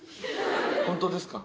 本当ですか？